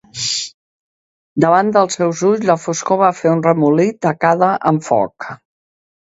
Davant dels seus ulls, la foscor va fer un remolí, tacada amb foc.